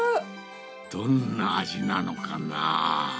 どんな味なのかな。